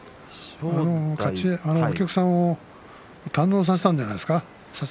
お客さんを堪能させたんじゃないですか？